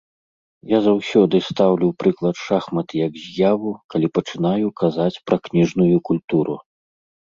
Я заўсёды стаўлю ў прыклад шахматы як з'яву, калі пачынаю казаць пра кніжную культуру.